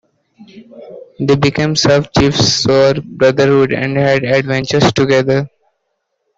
They became sub-chiefs, swore brotherhood and had adventures together.